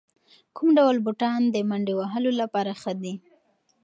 کوم ډول بوټان د منډې وهلو لپاره ښه دي؟